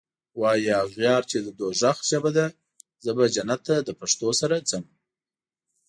واي اغیار چی د دوږخ ژبه ده زه به جنت ته دپښتو سره ځم